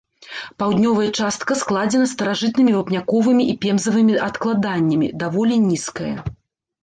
Паўднёвая частка складзена старажытнымі вапняковымі і пемзавымі адкладаннямі, даволі нізкая.